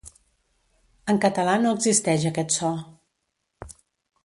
En català no existeix aquest so.